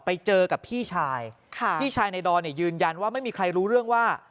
ไปเจอกับพี่ชายค่ะพี่ชายในดอนเนี่ยยืนยันว่าไม่มีใครรู้เรื่องว่า